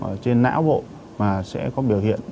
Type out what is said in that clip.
ở trên não bộ mà sẽ có biểu hiện